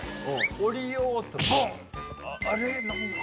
降りようとボン！